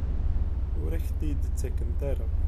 Ur ak-t-id-ttakent ara?